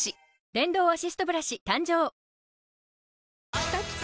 電動アシストブラシ誕生きたきた！